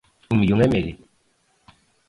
Un millón e medio.